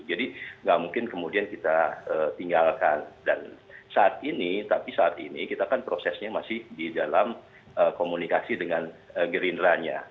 jadi gak mungkin kemudian kita tinggalkan dan saat ini tapi saat ini kita kan prosesnya masih di dalam komunikasi dengan gerindranya